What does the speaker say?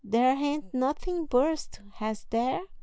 There hain't nothing burst, has there?"